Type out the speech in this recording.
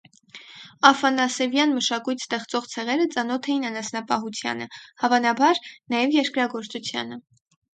Աֆանասևյան մշակույթ ստեղծող ցեղերը ծանոթ էին անասնապահությանը, հավանաբար՝ նաև երկրագործությանը։